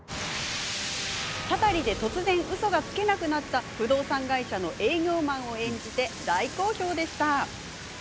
たたりで突然うそがつけなくなった不動産会社の営業マンを演じて大好評でした。